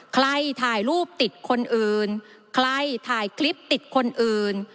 ใครถ่ายรูปติดคนอื่นใครถ่ายคลิปติดคนอื่น